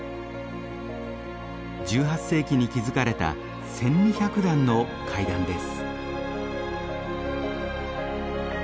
１８世紀に築かれた１，２００段の階段です。